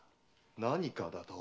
「何か」だと？